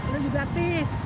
lu juga tis